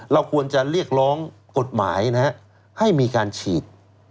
เราควรจะเรียกร้องกฎหมายให้มีการฉีด